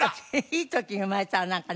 いい時に生まれたわなんかね。